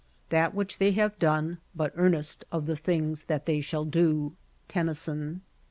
"That which they have done, but earnest of the things that they shall do." Tennyson.